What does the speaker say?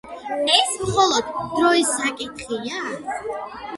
ეს მხოლოდ დროის საკითხია.